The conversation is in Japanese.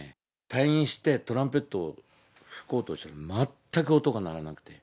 退院してトランペットを吹こうとしても、全く音が鳴らなくて。